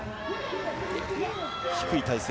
低い体勢。